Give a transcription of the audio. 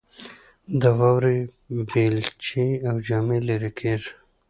د واورې بیلچې او جامې لیرې کیږي